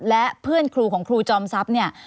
และเพื่อนครูของครูจอมทรัพย์เนี่ย